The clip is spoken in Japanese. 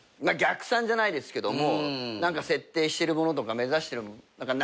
逆算じゃないですけども何か設定してるものとか目指してるもの。